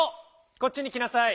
こっちにきなさい。